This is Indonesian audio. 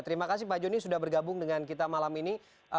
terima kasih pak joni sudah bergabung dengan kita malam ini